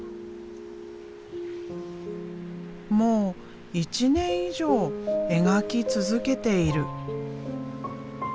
もう１年以上描き続けている。